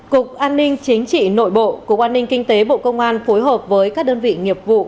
cục an ninh chính trị nội bộ cục an ninh kinh tế bộ công an phối hợp với các đơn vị nghiệp vụ